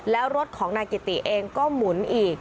แล้วรถของนายกิติเองก็หมุนอีก